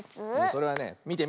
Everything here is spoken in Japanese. それはねみてみて。